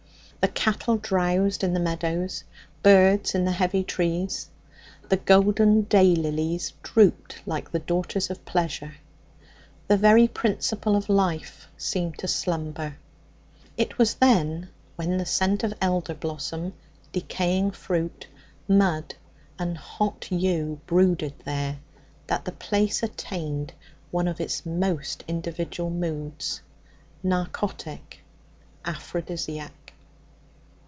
The cattle drowsed in the meadows, birds in the heavy trees; the golden day lilies drooped like the daughters of pleasure; the very principle of life seemed to slumber. It was then, when the scent of elder blossom, decaying fruit, mud and hot yew brooded there, that the place attained one of its most individual moods narcotic, aphrodisiac.